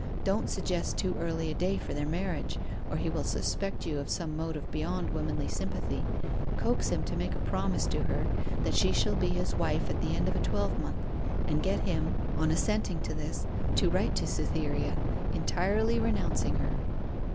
Don't suggest too early a day for their marriage, or he will suspect you of some motive beyond womanly sympathy. Coax him to make a promise to her that she shall be his wife at the end of a twelvemonth, and get him, on assenting to this, to write to Cytherea, entirely renouncing her.